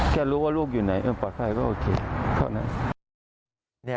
แค่รู้ว่าลูกอยู่ไหนปลอดภัยก็โอเคเท่านั้น